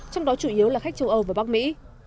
trong đó chủ yếu là khách châu âu và bắc mỹ